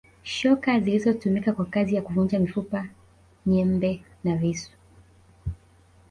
Shoka zilizotumika kwa kazi ya kuvunja mifupa nyembe na visu